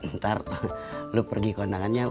ntar lu pergi ke undangannya